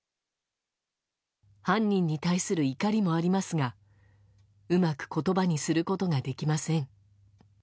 犯人に対する怒りもありますがうまく言葉にすることができません。